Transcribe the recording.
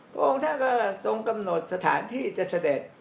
พระองค์ท่านก็ทรงกำหนดสถานที่จะเสด็จ